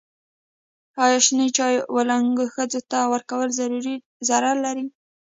ایا شنې چايي و لنګو ښځو ته ورکول ضرر لري؟